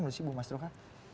menurut ibu mas roka